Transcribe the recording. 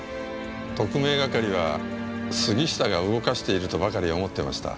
特命係は杉下が動かしているとばかり思ってました。